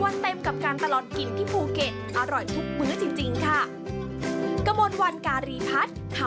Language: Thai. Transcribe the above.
วันเต็มกับการตลอดกินที่ภูเก็ตอร่อยทุกมื้อจริงค่ะ